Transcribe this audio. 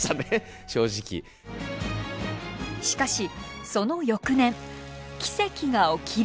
しかしその翌年奇跡が起きる。